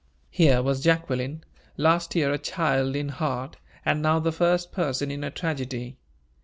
Here was Jacqueline last year a child in heart, and now the first person in a tragedy.